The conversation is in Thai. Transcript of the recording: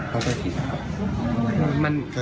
เข้าใจผิดค่ะ